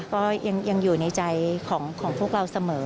ก็ยังอยู่ในใจของพวกเราเสมอ